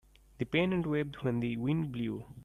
The pennant waved when the wind blew.